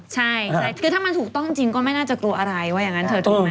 ใช่คือถ้ามันถูกต้องจริงก็ไม่น่าจะกลัวอะไรว่าอย่างนั้นเถอะถูกไหม